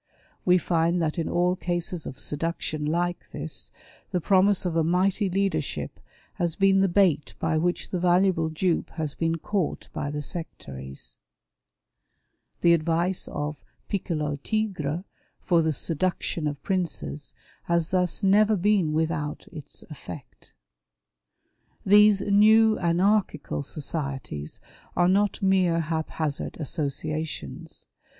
We find that in all cases of seduction like this, the promise of a mighty leadership has been the bait by which the valuable dupe has been caught by the sectaries. The advice of Piccolo Tigre for the seduction of princes has thus never been without its effect. These new anarchical societies are not mere hap hazard associations.